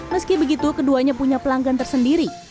meski begitu keduanya punya pelanggan tersendiri